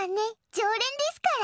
常連ですから。